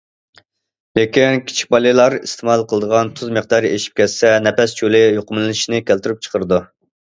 لېكىن، كىچىك بالىلار ئىستېمال قىلىدىغان تۇز مىقدارى ئېشىپ كەتسە، نەپەس يولى يۇقۇملىنىشنى كەلتۈرۈپ چىقىرىدۇ.